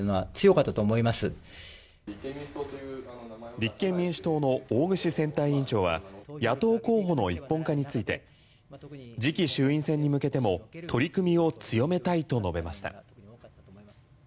立憲民主党の大串選対委員長は野党候補の一本化について次期衆院選に向けても取り組みを強めたいと述べました。